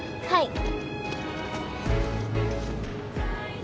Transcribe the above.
はい。